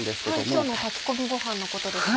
今日の炊き込みごはんのことですね。